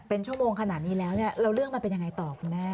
เป็นชั่วโมงขนาดนี้แล้วเนี่ยแล้วเรื่องมันเป็นยังไงต่อคุณแม่